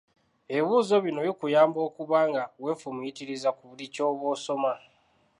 Ebibuuzo bino bikuyamba okuba nga weefumiitiriza ku buli ky'oba osoma.